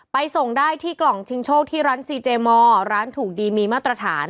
ส่งได้ที่กล่องชิงโชคที่ร้านซีเจมอร์ร้านถูกดีมีมาตรฐาน